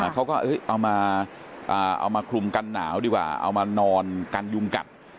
เขาก็เอามาคลุมกันหนาวดีกว่าเอามานอนกันยุงกัด